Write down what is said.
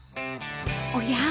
おや？